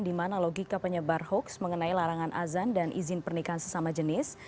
di mana logika penyebar hoax mengenai larangan azan dan izin pernikahan sesama jenis